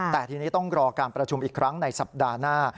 แต่ทีนี้ต้องรอการประชุมอีกครั้งในสัปดาห์หน้า